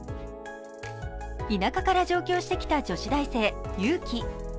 田舎から上京してきた女子大生優貴